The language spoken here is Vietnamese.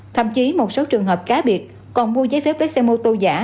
thậm chí một số trường hợp cá biệt còn mua giấy phép lấy xe mô tô giả